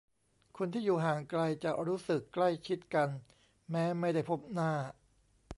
คนที่อยู่ห่างไกลจะรู้สึกใกล้ชิดกันแม้ไม่ได้พบหน้า